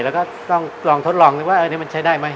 แล้วก็ต้องลองทดลองนึกว่าอันนี้มันใช้ได้ไหม